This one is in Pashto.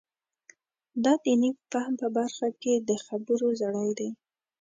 دا د نوي فهم په برخه کې د خبرو زړی دی.